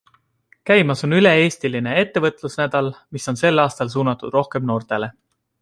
Käimas on üle-eestiline ettevõtlusnädal, mis on sel aastal suunatud rohkem noortele.